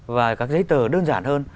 và các giấy tờ đơn giản hơn